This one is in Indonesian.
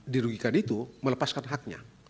dirugikan itu melepaskan haknya